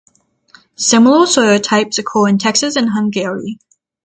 Similar soil types occur in Texas and Hungary.